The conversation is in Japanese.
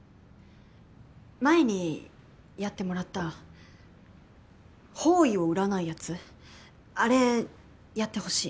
前にやってもらった方位を占うやつあれやってほしい。